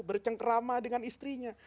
bercengkerama dengan istrinya